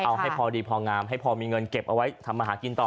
เอาให้พอดีพองามให้พอมีเงินเก็บเอาไว้ทำมาหากินต่อ